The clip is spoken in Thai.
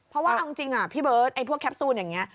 เพราะว่าเอาจริงพี่เบิร์ตไอ้พวกแคปซูลอย่างนี้